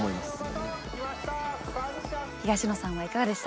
東野さんはいかがでしたか？